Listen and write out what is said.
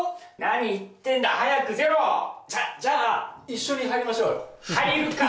何言ってんだ早く出ろじゃじゃあ一緒に入りましょうよ入るか！